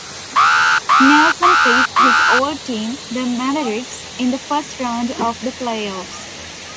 Nelson faced his old team, the Mavericks, in the first round of the playoffs.